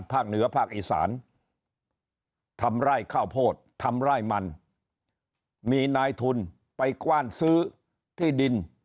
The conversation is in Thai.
เหนือภาคอีสานทำไร่ข้าวโพดทำไร่มันมีนายทุนไปกว้านซื้อที่ดิน